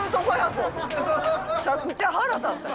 むちゃくちゃ腹立った。